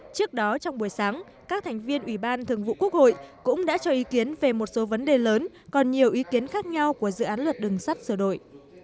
trước đó trong buổi sáng các thành viên ủy ban thường vụ quốc hội cũng đã cho ý kiến về một số vấn đề lớn còn nhiều ý kiến khác nhau của dự án luật đường sắt sửa đổi